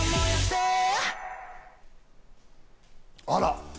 あら！